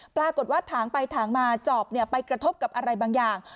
ปรากฏว่าถางไปถางมาจอบไปกระทบกับอะไรบางอย่าง